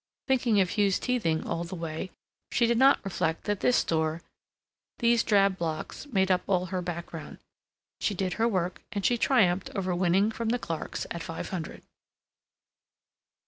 Thinking of Hugh's teething all the way, she did not reflect that this store, these drab blocks, made up all her background. She did her work, and she triumphed over winning from the Clarks at five hundred.